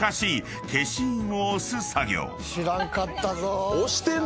知らんかったぞ。